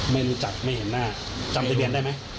ไม่รู้จักไม่เห็นหน้าจำทะเบียนได้ไหม